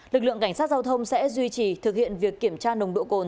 lực lượng cảnh sát giao thông sẽ duy trì thực hiện việc kiểm tra nồng độ cồn